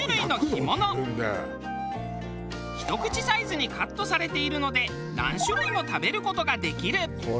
ひと口サイズにカットされているので何種類も食べる事ができる。